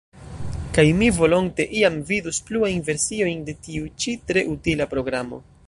Kaj mi volonte iam vidus pluajn versiojn de tiu ĉi tre utila programo.